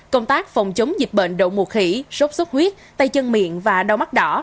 công tác phòng chống dịch bệnh đậu mùa khỉ sốt sốt huyết tay chân miệng và đau mắt đỏ